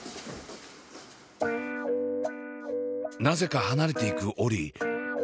なぜか離れていくオリィ。